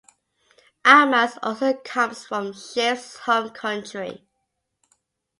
Almaz also comes from Shif’s home country.